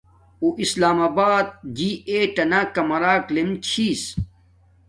اُواسلام آبات جی ایٹ ٹنا کمرک لیم چھس